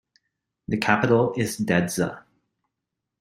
The capital is Dedza.